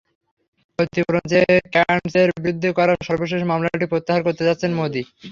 ক্ষতিপূরণ চেয়ে কেয়ার্নসের বিরুদ্ধে করা সর্বশেষ মামলাটি প্রত্যাহার করতে যাচ্ছেন মোদি।